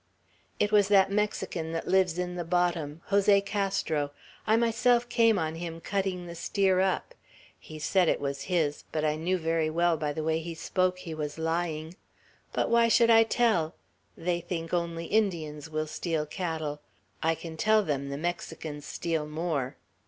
"It was that Mexican that lives in the bottom, Jose Castro. I myself came on him, cutting the steer up. He said it was his; but I knew very well, by the way he spoke, he was lying. But why should I tell? They think only Indians will steal cattle. I can tell them, the Mexicans steal more."